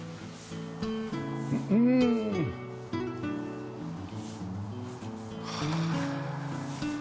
うん！はあ。